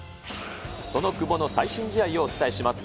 その久保の最新試合をお伝えします。